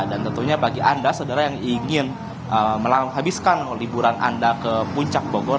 dan tentunya bagi anda saudara yang ingin menghabiskan liburan anda ke puncak bogor